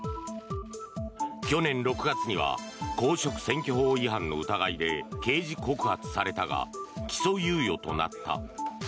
去年６月には公職選挙法違反の疑いで刑事告発されたが起訴猶予となった。